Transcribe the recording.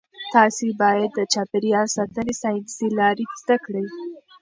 تاسي باید د چاپیریال ساتنې ساینسي لارې زده کړئ.